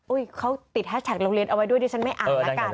เขาติดแฮชแท็กโรงเรียนเอาไว้ด้วยดิฉันไม่อ่านแล้วกัน